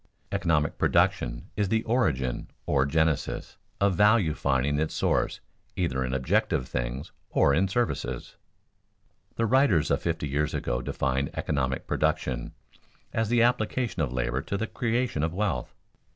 Economic production is the origin, or genesis, of value finding its source either in objective things or in services. The writers of fifty years ago defined economic production as the application of labor to the creation of wealth.